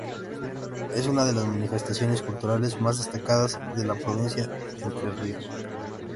Es una de las manifestaciones culturales más destacadas de la Provincia de Entre Ríos.